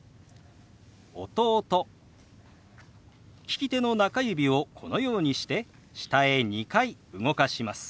利き手の中指をこのようにして下へ２回動かします。